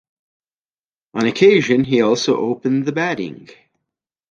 On occasion, he also opened the batting.